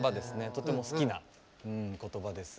とても好きな言葉です。